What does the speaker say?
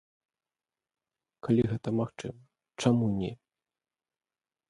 Калі гэта магчыма, чаму не?